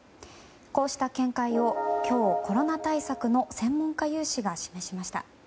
こうした見解を今日、コロナ対策の専門家有志が示しました。